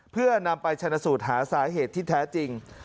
เพื่อนำไปชนะสูตรหาสาเหตุที่แท้จริง